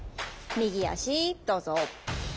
右足どうぞ。